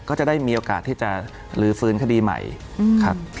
ก็จะได้มีโอกาสที่จะลื้อฟื้นคดีใหม่ครับ